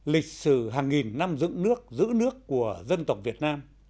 lịch sử hàng nghìn năm dựng nước giữ nước của dân tộc việt nam